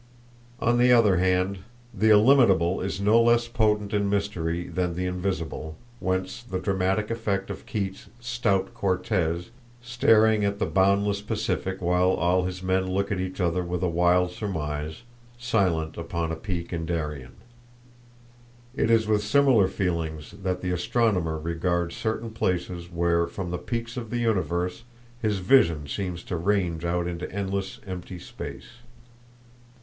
On the other hand, the illimitable is no less potent in mystery than the invisible, whence the dramatic effect of Keats' "stout Cortez" staring at the boundless Pacific while all his men look at each other with a wild surmise, "silent upon a peak in Darien." It is with similar feelings that the astronomer regards certain places where from the peaks of the universe his vision seems to range out into endless empty space.